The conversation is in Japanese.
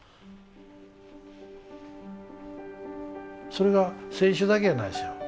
それが選手だけやないですよ。